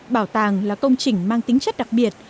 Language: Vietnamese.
bảo tàng là công trình mang tính chất đặc biệt